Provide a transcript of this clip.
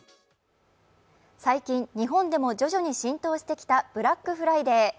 最近、日本でも徐々に浸透してきたブラックフライデー。